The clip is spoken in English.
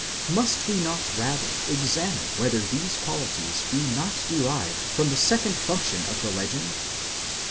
Must we not rather examine whether these qualities be not derived from the second function of the legend